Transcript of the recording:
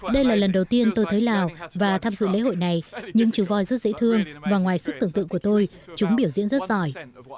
đây là lần đầu tiên tôi tới lào và tham dự lễ hội này những chú voi rất dễ thương và ngoài sức tưởng tượng của tôi chúng biểu diễn rất giỏi